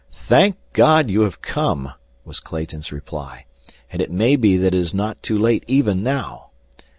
"Thank God, you have come!" was Clayton's reply. "And it may be that it is not too late even now."